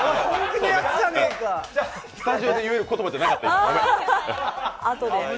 スタジオで言う言葉じゃなかった、今。